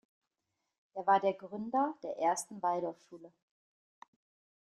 Er war Gründer der ersten Waldorfschule.